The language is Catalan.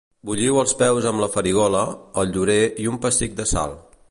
Bulliu els peus amb la farigola, el llorer i un pessic de sal.